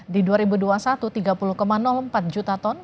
di dua ribu dua puluh satu tiga puluh empat juta ton